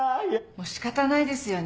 もう仕方ないですよね。